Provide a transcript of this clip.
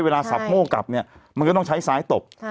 สับโม่กลับเนี่ยมันก็ต้องใช้ซ้ายตบ